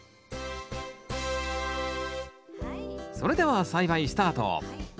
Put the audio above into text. それでは栽培スタート。